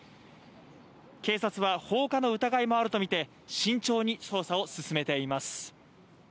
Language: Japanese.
警察は放火の疑いもあるとみて慎重に捜査を進めています。